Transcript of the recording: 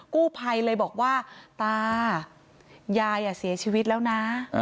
กู้ภัยเลยบอกว่าตายายเสียชีวิตแล้วนะ